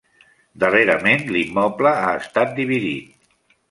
Darrerament, l'immoble ha estat dividit.